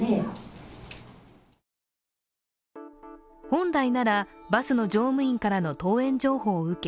本来ならバスの乗務員からの登園情報を受け